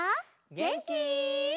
げんき？